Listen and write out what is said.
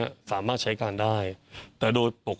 หายสามารถใช้ได้ใช้การได้แต่ว่าไม่ได้ใช้คือต้องบอก